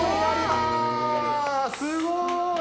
すごい。